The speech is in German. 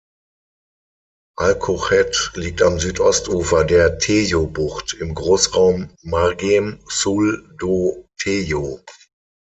Alcochete liegt am Südostufer der Tejo-Bucht, im Großraum Margem Sul do Tejo.